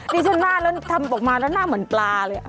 ดิฉันหน้าแล้วทำออกมาแล้วหน้าเหมือนปลาเลย